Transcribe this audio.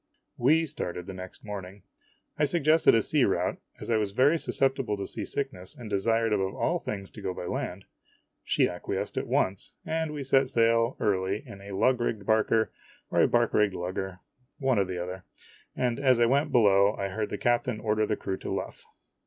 We started the next morning. I suggested a sea route, as I was very susceptible to seasickness and desired above all things to go by land. She acquiesced at once, and we set sail early in a lug rio cred barker, or a bark ri^cred luo o er, one or the other, and as I oo oo oo went below I heard the captain order the crew to luff.